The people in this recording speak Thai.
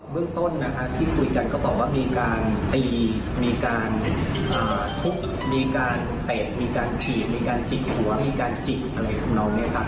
เรื่องต้นที่คุยกันก็บอกว่ามีการตีมีการทุบมีการเตะมีการถีบมีการจิกหัวมีการจีบอะไรทำน้องเนี่ยครับ